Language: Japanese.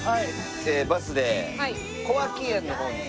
バスで小涌園の方に。